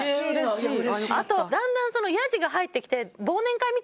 あとだんだんヤジが入ってきて。